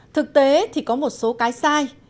thực tế thì có một số cái sai